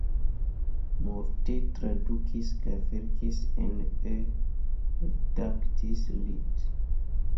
Multe tradukis kaj verkis en E, redaktis lit.